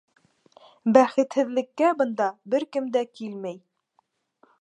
Бәхетһеҙлеккә, бында бер кем дә килмәй.